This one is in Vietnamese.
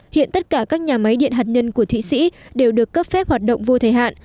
hiện tất cả các nhà máy điện hạt nhân của thụy sĩ đều được cấp phép hoạt động vô thời hạn